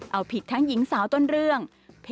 เอาผิดทั้งหญิงสาวต้นเรื่อง